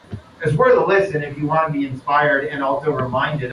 It’s the big story of our time.